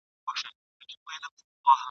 هم غړومبی دی له اسمانه هم له مځکي ..